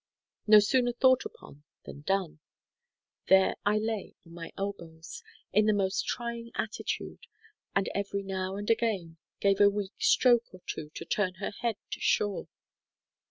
No sooner thought upon than done. There I lay on my elbows, in the most trying attitude, and every now and again gave a weak stroke or two to turn her head to shore.